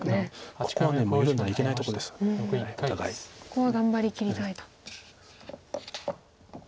ここは頑張りきりたいと。